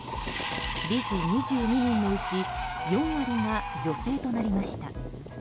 理事２２人のうち４割が女性となりました。